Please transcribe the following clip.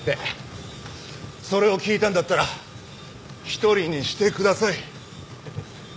それを聞いたんだったら一人にしてください。